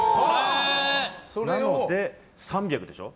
なので、３００でしょ？